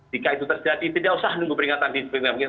jika itu terjadi tidak usah menunggu peringatan dini